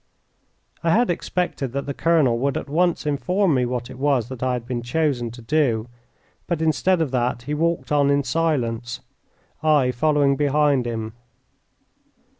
I had expected that the colonel would at once inform me what it was that I had been chosen to do, but instead of that he walked on in silence, I following behind him.